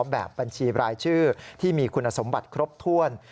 แบบบัญชีรายชื่อที่มีคุณสมบัติครบถ้วน